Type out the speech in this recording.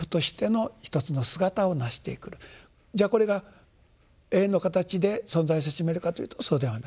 じゃあこれが永遠の形で存在せしめるかというとそうではない。